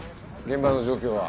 現場の状況は？